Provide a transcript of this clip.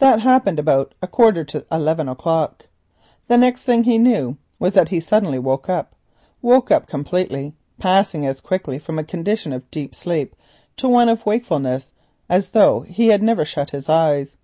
This happened about a quarter to eleven o'clock. The next thing he knew was that he suddenly woke up; woke up completely, passing as quickly from a condition of deep sleep to one of wakefulness as though he had never shut his eyes.